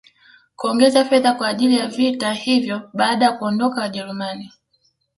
kuongeza fedha kwa ajili ya vita hivyo Baada ya kuondoka wajerumani